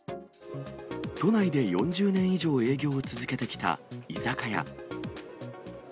都内で４０年以上営業を続けてきた居酒屋。